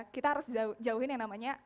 kita harus jauhin yang namanya